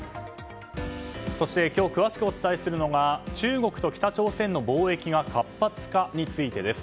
そして今日詳しくお伝えするのが中国と北朝鮮の貿易が活発化についてです。